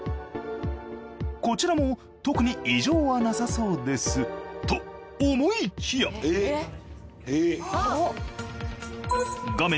こちらも特に異常はなさそうです。と思いきや画面